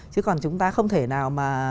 chứ còn chúng ta không thể nào mà